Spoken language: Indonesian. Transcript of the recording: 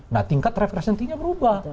nah tingkat referensi intinya berubah